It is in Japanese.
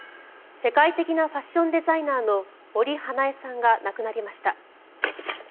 世界的なファッションデザイナーの森英恵さんが亡くなりました。